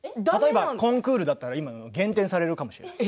コンクールだったら減点されるかもしれない。